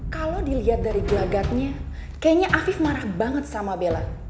kalau dilihat dari gelagatnya kayaknya afif marah banget sama bella